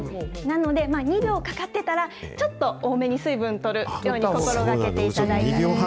なので、２秒かかってたら、ちょっと多めに水分とるように心がけていただいたら。